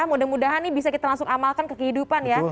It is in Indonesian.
mudah mudahan bisa kita langsung amalkan kehidupan